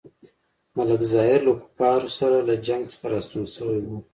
ملک ظاهر له کفارو سره له جنګ څخه راستون شوی وو.